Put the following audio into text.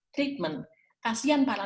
treatment kasian para